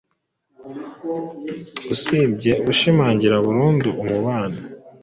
usibye kushimangira burundu umubano-